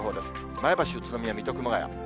前橋、宇都宮、水戸、熊谷。